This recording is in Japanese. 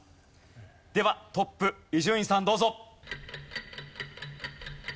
ではトップ伊集院さんどうぞ。